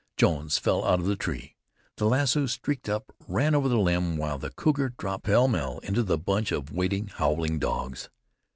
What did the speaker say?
Jones fell out of the tree. The lasso streaked up, ran over the limb, while the cougar dropped pell mell into the bunch of waiting, howling dogs.